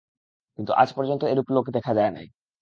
কিন্তু আজ পর্যন্ত এরূপ লোক দেখা যায় নাই।